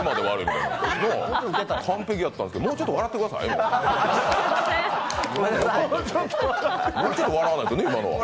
完璧やったのに、もうちょっと笑ってくださいね。